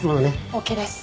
ＯＫです。